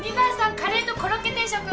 カレーとコロッケ定食